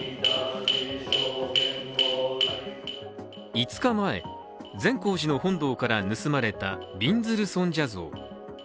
５日前、善光寺の本堂から盗まれたびんずる尊者像。